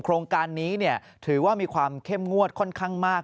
โครงการนี้ถือว่ามีความเข้มงวดค่อนข้างมาก